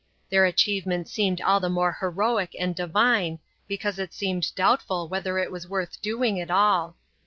Their achievement seemed all the more heroic and divine, because it seemed doubtful whether it was worth doing at all.